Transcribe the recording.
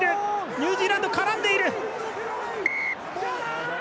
ニュージーランド、絡んでいる。